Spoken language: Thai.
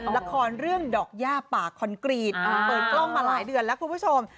ละครเรื่องดอกย่าป่าคอนกรีตเปิดกล้องมาหลายเดือนแล้วคุณผู้ชม